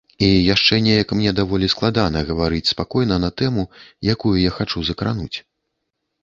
І яшчэ неяк мне даволі складана гаварыць спакойна на тэму, якую я хачу закрануць.